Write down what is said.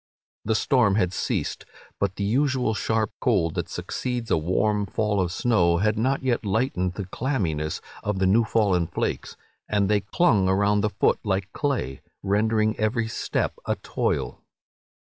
The storm had ceased, but the usual sharp cold that succeeds a warm fall of snow had not yet lightened the clamminess of the new fallen flakes, and they clung around the foot like clay, rendering every step a toil."